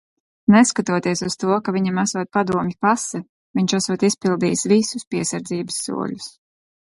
Neskatoties uz to, ka viņam esot padomju pase, viņš esot izpildījis visus piesardzības soļus.